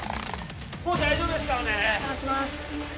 もう大丈夫ですからね倒します